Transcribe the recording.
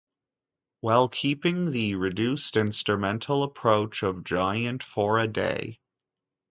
While keeping the reduced instrumental approach of Giant for a Day!